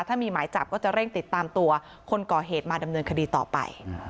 ถ้ามีหมายจับก็จะเร่งติดตามตัวคนก่อเหตุมาดำเนินคดีต่อไป